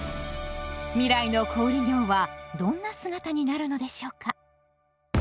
未来の小売業はどんな姿になるのでしょうか？